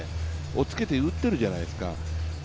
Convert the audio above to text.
おっつけて打ってるじゃないですか。